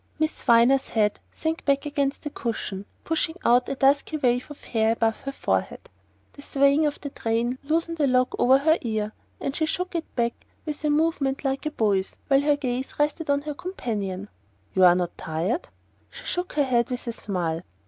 Miss Viner's head sank back against the cushion, pushing out a dusky wave of hair above her forehead. The swaying of the train loosened a lock over her ear, and she shook it back with a movement like a boy's, while her gaze still rested on her companion. "You're not too tired?" She shook her head with a smile.